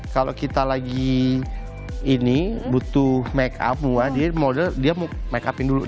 kalau kita lagi ini butuh make up semua dia model dia mau make upin dulu